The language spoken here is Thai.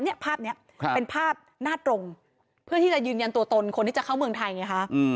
ภาพนี้เป็นภาพหน้าตรงเพื่อที่จะยืนยันตัวตนคนที่จะเข้าเมืองไทยไงคะ